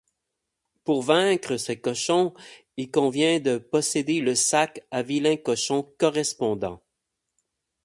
Pour vaincre ces cochons, il convient de posséder le sac à Vilain Cochon correspondant.